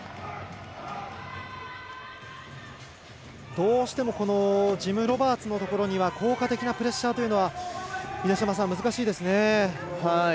どうしてもこのジム・ロバーツのところには効果的なプレッシャーというのは難しいですね。